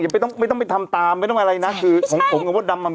ไม่ต้องไม่ต้องไปทำตามไม่ต้องอะไรนะคือของผมกับมดดำอ่ะ